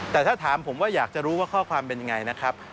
แต่ถ้าถามผมว่าอยากจะรู้ว่าข้อความเป็นยังไงนะครับ